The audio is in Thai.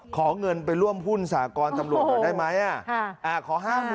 ขอเงินไปร่วมหุ้นสากรตำรวจหน่อยได้ไหม